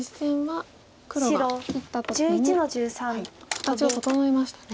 形を整えましたね。